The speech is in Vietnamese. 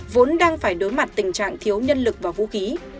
vốn đang phải đối mặt tình trạng thiếu nhân lực và vũ khí